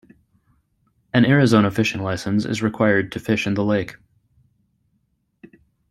An Arizona fishing license is required to fish in the lake.